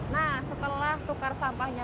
nah setelah tukar sampahnya